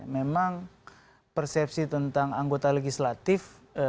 memang persepsi tentang anggota legislatif